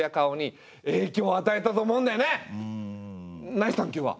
「ナイス探究」は？